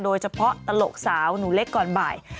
โดยเฉพาะตลกสาวหนุเล็กก่อนบ่าย